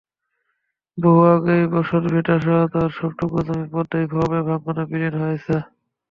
বহু আগেই বসতভিটাসহ তাঁর সবটুকু জমি পদ্মায় ভয়াবহ ভাঙনে বিলীন হয়েছে।